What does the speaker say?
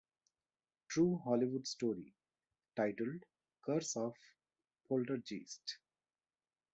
True Hollywood Story" titled "Curse of "Poltergeist".